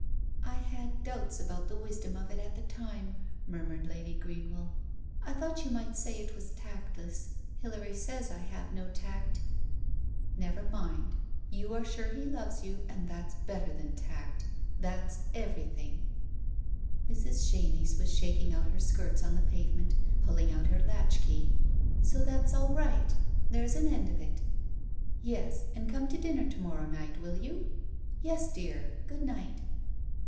"I had doubts about the wisdom of it at the time," murmured Lady Greenwell. "I thought you might say it was tactless. Hilary says I have no tact." Digitized by Google THE MEMOIR 85 "Never mind, you are sure he loves you, and that's better than tact — that's everything !" Mrs. Chenies was shaking out her skirts on the pave ment, pulling out her latch key. ... "So that's all right. There's an end of it " "Yes, and come to dinner to morrow night, will you?" "Yes, dear. Good night